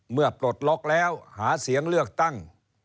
ปลดล็อกแล้วหาเสียงเลือกตั้ง